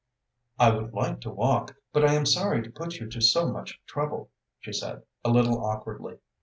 "I would like to walk, but I am sorry to put you to so much trouble," she said, a little awkwardly.